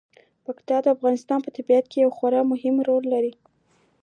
پکتیکا د افغانستان په طبیعت کې یو خورا مهم رول لري.